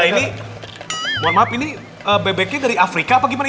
nah ini mohon maaf ini bebeknya dari afrika apa gimana